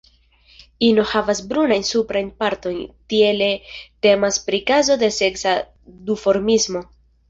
Ino havas brunajn suprajn partojn, tiele temas pri kazo de seksa duformismo.